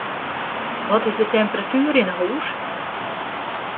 Wat is de temperatuer yn 'e hûs?